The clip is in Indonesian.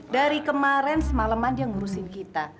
dari kemarin semaleman dia ngurusin kita